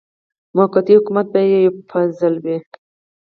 موقتي حکومت به یې یو فصل وي.